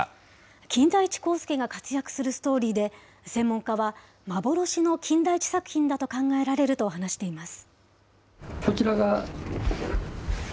金田一耕助が活躍するストーリーで、専門家は幻の金田一作品だと考えられると話しています。